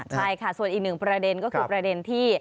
ใช่ค่ะส่วนอีกหนึ่งประเด็นก็คือประเด็นที่